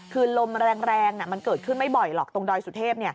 คือลมแรงมันเกิดขึ้นไม่บ่อยหรอกตรงดอยสุเทพ